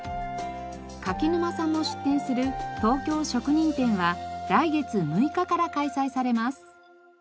柿沼さんも出展するＴＯＫＹＯ職人展は来月６日から開催されます。